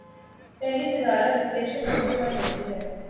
پہلی تجارت بیشتختے پر ہوتی ہے